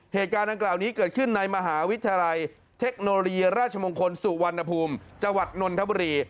เหตุการณ์ดังกล่าวนี้เกิดขึ้นในมหาวิทยาลัยเทคโนโลยีราชมงคลสุวรรณภูมิจังหวัดนนทบุรี